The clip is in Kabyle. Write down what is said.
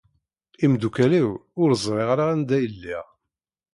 Imeddukal-iw ur ẓriɣ ara anda i lliɣ